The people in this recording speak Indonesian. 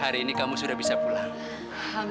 hari ini kamu sudah bisa pulang